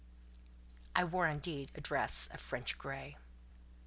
I wore indeed a dress of French grey.